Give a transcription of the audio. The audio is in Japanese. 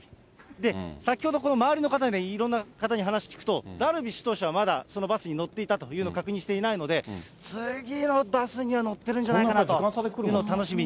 で、先ほど、この周りの方、いろんな方に話聞くと、ダルビッシュ投手はまだそのバスに乗っていたというのを確認していないので、次のバスには乗ってるんじゃないかというのを楽しみに。